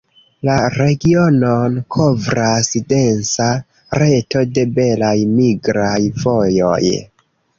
La regionon kovras densa reto de belaj migraj vojoj.